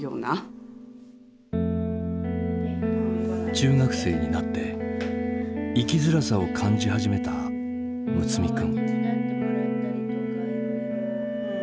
中学生になって生きづらさを感じ始めた睦弥君。